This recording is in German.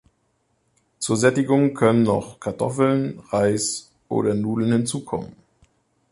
Zur Sättigung können noch Kartoffeln, Reis oder Nudeln hinzukommen.